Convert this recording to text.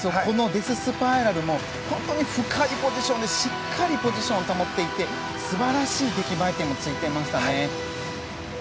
デススパイラルも本当に深くしっかりポジションを保っていて素晴らしい出来栄え点もついていましたね。